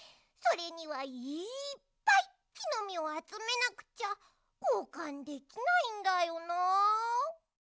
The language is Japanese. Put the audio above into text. それにはいっぱいきのみをあつめなくちゃこうかんできないんだよな。